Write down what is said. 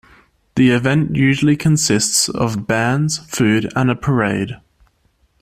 The event usually consists of bands, food, and a parade.